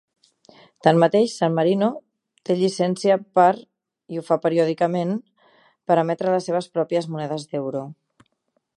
Tanmateix, San Marino té llicència per, i ho fa periòdicament, per emetre les seves pròpies monedes d'euro.